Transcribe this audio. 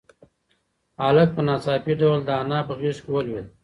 هلک په ناڅاپي ډول د انا په غېږ کې ولوېد.